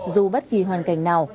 dù bất kỳ hoàn cảnh nào